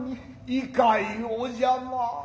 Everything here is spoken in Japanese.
いかいお邪魔。